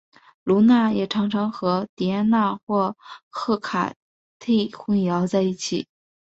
卢娜也常常和狄安娜或赫卡忒混淆在一起。